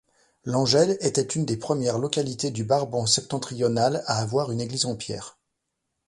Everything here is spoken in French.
Langel était une des premières localités du Brabant-Septentrional à avoir une église en pierre.